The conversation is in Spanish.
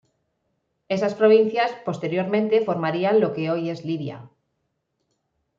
Esas provincias posteriormente formarían lo que hoy es Libia.